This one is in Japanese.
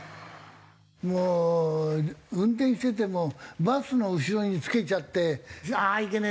もう運転しててもバスの後ろにつけちゃってああいけねえ！